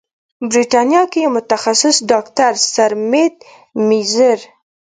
بریتانیا کې یو متخصص ډاکتر سرمید میزیر